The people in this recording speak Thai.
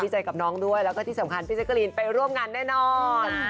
ใจกับน้องด้วยแล้วก็ที่สำคัญพี่แจกรีนไปร่วมงานแน่นอน